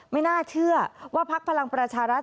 ไม่น่าเชื่อว่าพักพลังประชารัฐ